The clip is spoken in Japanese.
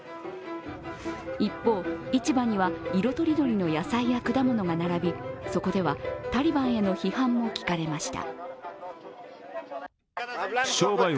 一方、市場には色とりどりの野菜や果物が並びそこでは、タリバンへの批判も聞かれました。